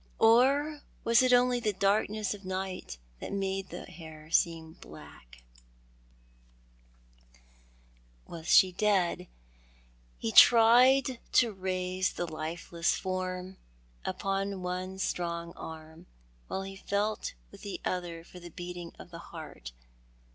Or was it only tho darkness of night that made the hair seem black ? io8 Thou art the Man. Was she dead ? He tried to raise the lifeless form upon one strong arm, while lie felt with the other hand for the beating of the heart.